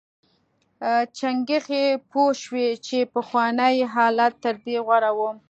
چنګښې پوه شوې چې پخوانی حالت تر دې غوره و.